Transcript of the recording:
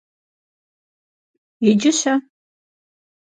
Иджы-щэ?